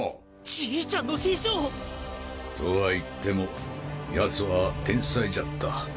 じいちゃんの師匠！とはいってもヤツは天才じゃった。